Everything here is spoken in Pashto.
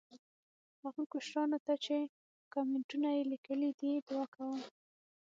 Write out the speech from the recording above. هغو کشرانو ته چې کامینټونه یې لیکلي دي، دعا کوم.